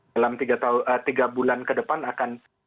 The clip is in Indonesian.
dalam tiga bulan ke depan akan